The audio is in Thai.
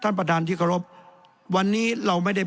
แสดงว่าความทุกข์มันไม่ได้ทุกข์เฉพาะชาวบ้านด้วยนะ